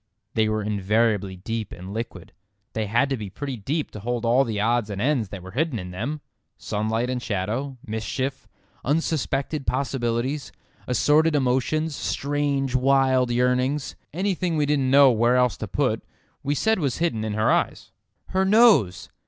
They were invariably deep and liquid. They had to be pretty deep to hold all the odds and ends that were hidden in them; sunlight and shadow, mischief, unsuspected possibilities, assorted emotions, strange wild yearnings. Anything we didn't know where else to put we said was hidden in her eyes. "Her nose!"